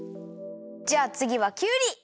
じゃあつぎはきゅうり！